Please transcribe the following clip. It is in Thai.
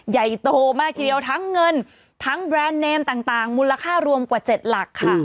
ใหญ่โตมากทีเดียวทั้งเงินทั้งแบรนด์เนมต่างมูลค่ารวมกว่า๗หลักค่ะ